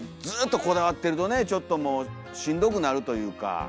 ずっとこだわってるとねちょっともうしんどくなるというか。